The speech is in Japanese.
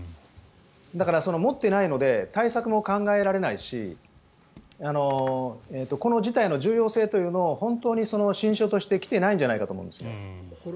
だから、持っていないので対策も考えられないしこの事態の重要性というのを本当に心証としてできていないんじゃないかと思います。